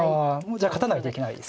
じゃあ勝たないといけないですね。